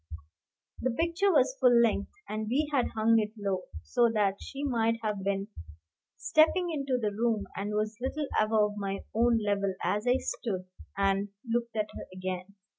The picture was full length, and we had hung it low, so that she might have been stepping into the room, and was little above my own level as I stood and looked at her again.